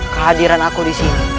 kehadiran aku di sini